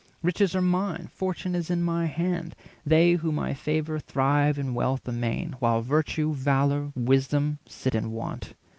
Riches are mine, fortune is in my hand; They whom I favour thrive in wealth amain, 430 While virtue, valour, wisdom, sit in want."